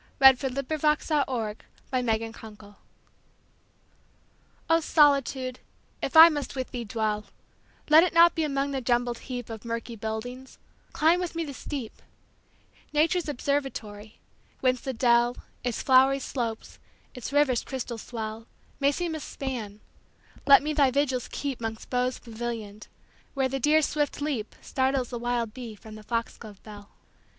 1884. 20. O Solitude! if I must with thee dwell O SOLITUDE! if I must with thee dwell, Let it not be among the jumbled heapOf murky buildings; climb with me the steep,—Nature's observatory—whence the dell, Its flowery slopes, its river's crystal swell, May seem a span; let me thy vigils keep'Mongst boughs pavillion'd, where the deer's swift leapStartles the wild bee from the fox glove bell.